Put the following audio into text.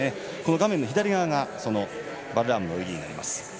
画面の左側がバルラームの泳ぎになります。